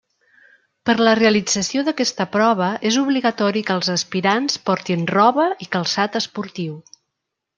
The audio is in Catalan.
Per la realització d'aquesta prova és obligatori que els aspirants portin roba i calçat esportiu.